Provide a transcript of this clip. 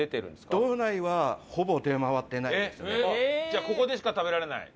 じゃあここでしか食べられない？